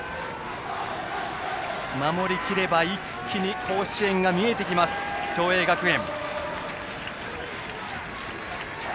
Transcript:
守りきれば一気に甲子園が見えてきます、共栄学園。